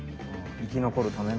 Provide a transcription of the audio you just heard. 生き残るための。